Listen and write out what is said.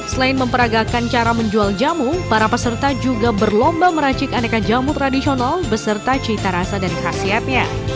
selain memperagakan cara menjual jamu para peserta juga berlomba meracik aneka jamu tradisional beserta cita rasa dan khasiatnya